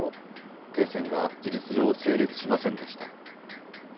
停戦は事実上、成立しませんでした。